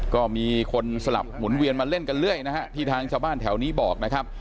ก็มีคนสลับหมุนเวียนมาเล่นกันเรื่อยนะฮะที่ทางชาวบ้านแถวนี้บอกนะครับ